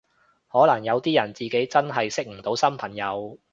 可能有啲人自己真係識唔到新朋友